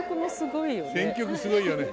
選曲もすごいよね。